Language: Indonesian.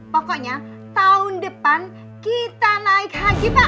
pokoknya tahun depan kita naik haji baru